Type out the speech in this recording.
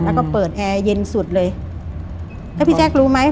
แล้วก็เปิดแอร์เย็นสุดเลยแล้วพี่แจ๊ครู้ไหม